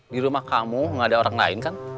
di rumah kamu gak ada orang lain kan